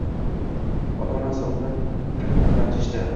Ota-onasi undan qattiq ranjishdi